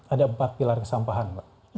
ada empat pilar kesampahan